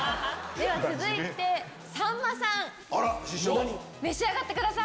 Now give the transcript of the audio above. では続いてさんまさん召し上がってください。